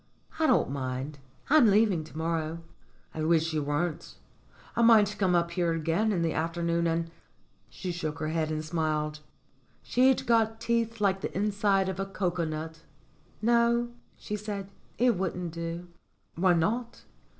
I don't mind I'm leaving to morrow." "I wish you weren't. I might come up here again in the afternoon and " She shook her head and smiled. She'd got teeth like the inside of a cocoa nut. "No," she said. "It wouldn't do." "Why not?"